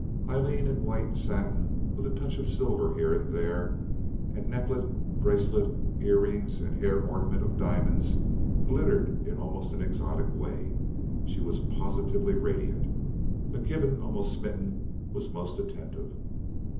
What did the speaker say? Aileen, in white satin with a touch of silver here and there and necklet, bracelet, ear rings, and hair ornament of diamonds, glittered in almost an exotic way. She was positively radiant. McKibben, almost smitten, was most attentive.